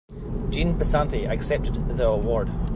Jean Passanante accepted the award.